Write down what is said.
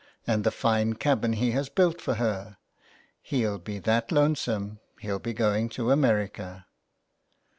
And the fine cabin he has built for her ! He'll be that lonesome, he'll be going to America."